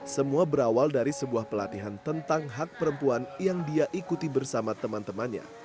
semua berawal dari sebuah pelatihan tentang hak perempuan yang dia ikuti bersama teman temannya